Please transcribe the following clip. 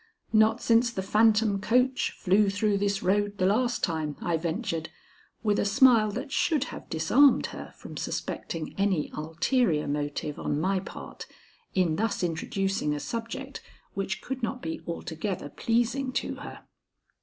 "Not since the phantom coach flew through this road the last time," I ventured, with a smile that should have disarmed her from suspecting any ulterior motive on my part in thus introducing a subject which could not be altogether pleasing to her.